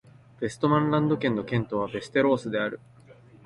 ヴェストマンランド県の県都はヴェステロースである